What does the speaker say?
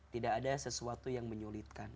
tidak ada sesuatu yang menyulitkan